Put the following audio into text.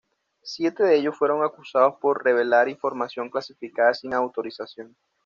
Siete de ellos fueron acusados por revelar información clasificada sin autorización.